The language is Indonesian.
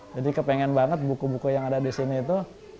jadi kepengen banget buku buku yang ada di sini itu